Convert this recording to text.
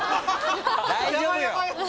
大丈夫よ！